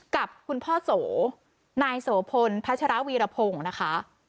กับคุณพ่อโสนายโสพลพัชรวีรพงศ์นะคะ